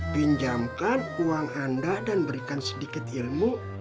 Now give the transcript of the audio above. pinjamkan uang anda dan berikan sedikit ilmu